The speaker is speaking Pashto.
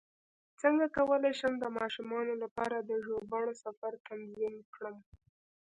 څنګه کولی شم د ماشومانو لپاره د ژوبڼ سفر تنظیم کړم